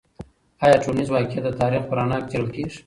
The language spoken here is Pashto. آیا ټولنیز واقعیت د تاریخ په رڼا کې څیړل کیږي؟